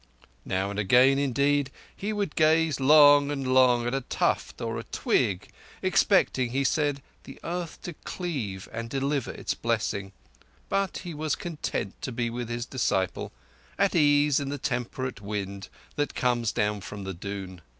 Now and again, indeed, he would gaze long and long at a tuft or a twig, expecting, he said, the earth to cleave and deliver its blessing; but he was content to be with his disciple, at ease in the temperate wind that comes down from the Doon.